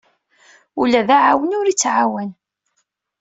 Ula d aɛawen ur t-iɛawen.